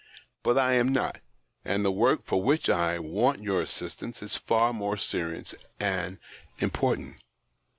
But I am not ; and the work for which I want your assistance is far more serious and important.